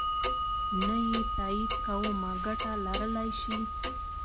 نه یې تایید کومه ګټه لرلای شي.